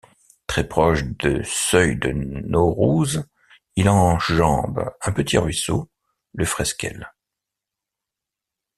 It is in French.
Très proche de Seuil de Naurouze, il enjambe un petit ruisseau, le Fresquel.